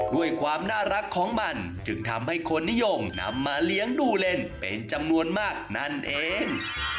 ด้วยความน่ารักของมันจึงทำให้คนนิยมนำมาเลี้ยงดูเล่นเป็นจำนวนมากนั่นเอง